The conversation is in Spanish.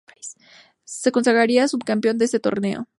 Se consagraría subcampeón de ese torneo.